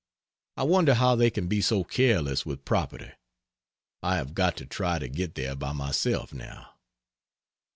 I wonder how they can be so careless with property. I have got to try to get there by myself now.